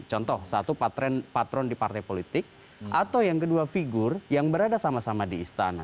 contoh satu patron di partai politik atau yang kedua figur yang berada sama sama di istana